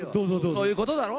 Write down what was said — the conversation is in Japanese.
そういうことだろ？